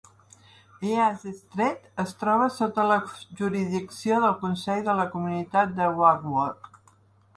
East Street es troba sota la jurisdicció del consell de la comunitat de Walworth.